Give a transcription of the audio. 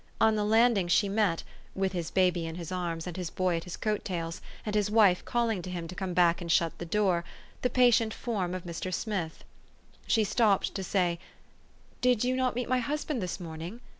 On the landing she met with his baby in his arms, and his boy at his coat tails, and his wife calling to him to come back and shut the door the patient form of Mr. Smith. She stopped to say, 4 ' Did you not meet my husband this morning